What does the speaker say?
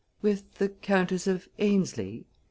"With the Countess of Aynesley?"